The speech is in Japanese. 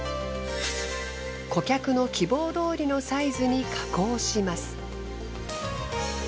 顧客の希望どおりのサイズに加工します。